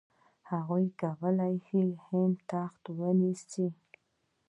هغه کولای شي د هند تخت ونیسي.